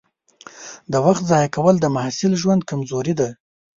د وخت ضایع کول د محصل ژوند کمزوري ده.